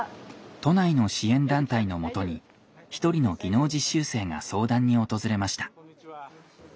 都内の支援団体のもとに一人の技能実習生が相談に訪れました。